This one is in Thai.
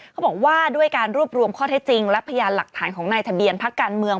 เขาบอกว่าด้วยการรวบรวมข้อเท็จจริงและพยานหลักฐานของนายทะเบียนพักการเมือง